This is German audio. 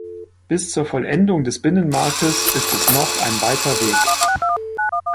Bis zur Vollendung des Binnenmarktes ist es noch ein weiter Weg.